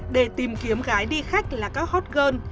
để tìm kiếm gái đi khách là các hot girl